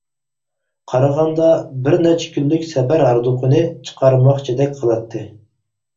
قارىغاندا، بىر نەچچە كۈنلۈك سەپەر ھاردۇقىنى چىقارماقچىدەك قىلاتتى.